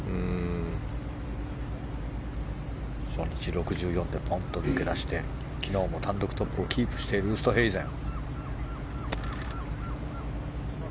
６４でポンと抜け出して昨日も単独トップをキープしているウーストヘイゼン。